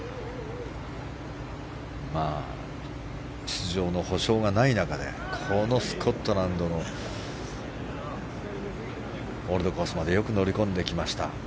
出場の保証がない中でこのスコットランドのオールドコースまでよく乗り込んできました。